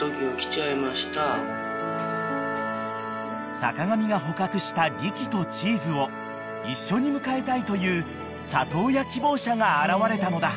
［坂上が捕獲したリキとチーズを一緒に迎えたいという里親希望者が現れたのだ］